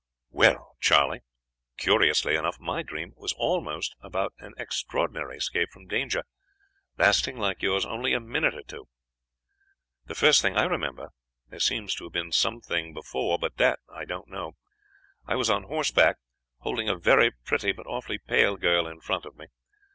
"'Well, Charley, curiously enough my dream was also about an extraordinary escape from danger, lasting, like yours, only a minute or two. The first thing I remember there seems to have been some thing before, but what, I don't know I was on horseback, holding a very pretty but awfully pale girl in front of me.